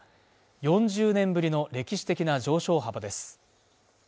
４０年ぶりの歴史的な上昇幅です。